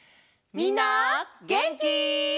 みんなげんき？